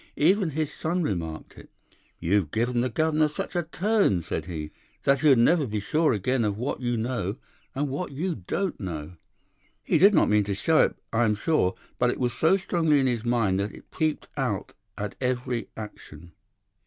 Even his son remarked it. 'You've given the governor such a turn,' said he, 'that he'll never be sure again of what you know and what you don't know.' He did not mean to show it, I am sure, but it was so strongly in his mind that it peeped out at every action.